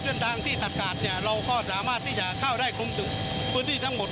เส้นทางที่ตัดกาดเนี่ยเราก็สามารถที่จะเข้าได้คลุมถึงพื้นที่ทั้งหมด